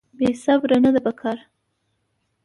بې صبري نه ده په کار.